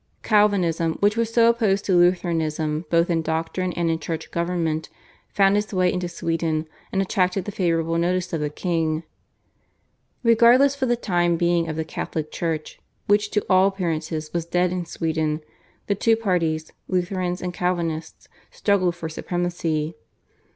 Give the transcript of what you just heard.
Calvinism, which was so opposed to Lutheranism both in doctrine and in church government, found its way into Sweden, and attracted the favourable notice of the king. Regardless for the time being of the Catholic Church, which to all appearances was dead in Sweden, the two parties, Lutherans and Calvinists, struggled for supremacy.